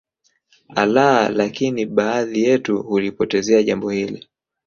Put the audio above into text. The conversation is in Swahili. Allah lakini baadhi yetu hulipotezea Jambo hili